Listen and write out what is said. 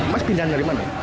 mas pindahannya dari mana